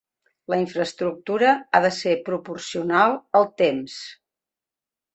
La infraestructura ha de ser proporcional al temps.